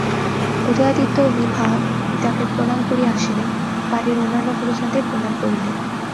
উদয়াদিত্য ও বিভা পিতাকে প্রণাম করিয়া আসিলেন, বাড়ির অন্যান্য গুরুজনদের প্রণাম করিলেন।